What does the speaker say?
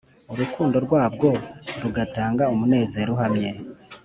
urukundo rwabwo rugatanga umunezero uhamye.